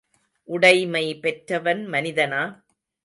உடைமை பெற்றவன் மனிதனா?